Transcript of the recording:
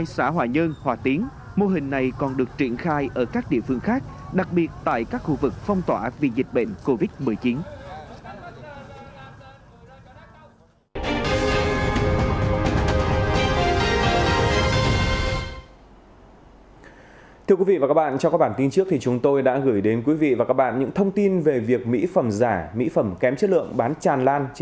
sau khi mà mình bôi sản phẩm một thời gian đầu tiên thì nó có thể là làm đẹp da thật